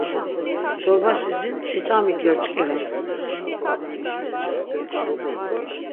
Çorbaşi jin ç̆iç̆ami gyoç̆k̆iraps.